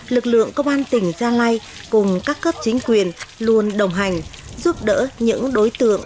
lực lượng công an tỉnh gia lai cùng các cấp chính quyền luôn đồng hành giúp đỡ những đối tượng